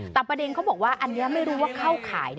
แต่ประเด็นเขาบอกว่าอันนี้ไม่รู้ว่าเข้าขาย